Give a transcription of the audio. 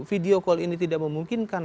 video call ini tidak memungkinkan